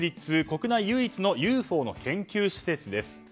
国内唯一のＵＦＯの研究施設です。